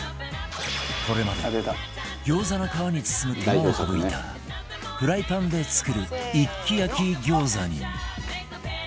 これまで餃子の皮に包む手間を省いたフライパンで作る一気焼き餃子に